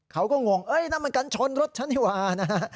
เขาก็งงนั่นมันกัญชนรถฉันนี่ว่า